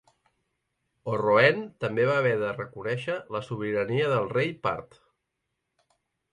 Osroene també va haver de reconèixer la sobirania del rei part.